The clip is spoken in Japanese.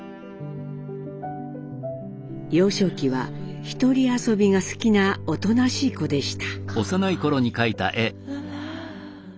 幼少期はひとり遊びが好きなおとなしい子でした。